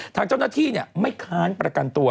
ทางเจ้าหน้าที่ไม่ค้านประกันตัว